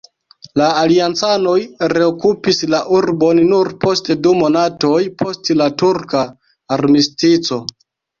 La aliancanoj reokupis la urbon nur post du monatoj, post la turka armistico.